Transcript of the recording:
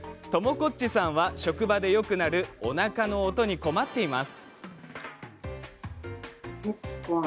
こっちさんは職場でよく鳴るおなかの音に困っています。